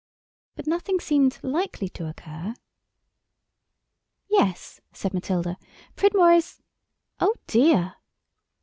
But nothing seemed likely to occur. "Yes," said Matilda, "Pridmore is—Oh, dear!"